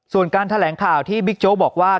ส่วนการแถลงข่าวที่บิ๊กโจ๊กบอกว่า